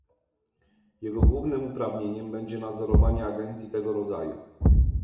Jego głównym uprawnieniem będzie nadzorowanie agencji tego rodzaju